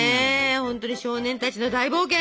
ほんとに少年たちの大冒険。